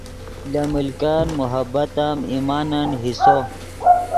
لے ملکن محبت ام ایمانن حصو